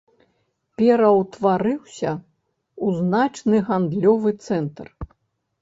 Пераўтварыўся ў значны гандлёвы цэнтр.